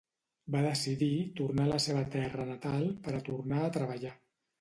Va decidir tornar a la seva terra natal per a tornar a treballar.